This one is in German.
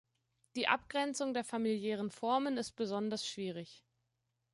Die Abgrenzung der familiären Formen ist besonders schwierig.